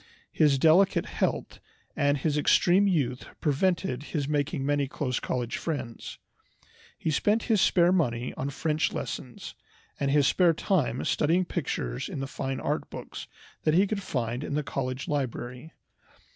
His delicate health and his extreme youth prevented his making many close college friends. He spent his spare money on French lessons, and his spare time studying pictures in the fine art books that he could find in the college library.